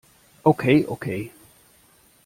Okay, okay!